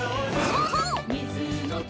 そうそう！